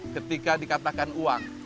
ketika dikatakan uang